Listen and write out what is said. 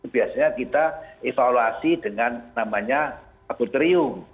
biasanya kita evaluasi dengan namanya laboratorium